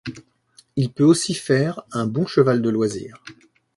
Il peut aussi faire un bon cheval de loisir.